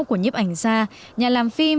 của nhấp ảnh gia nhà làm phim